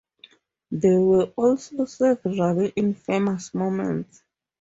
There were also several infamous moments.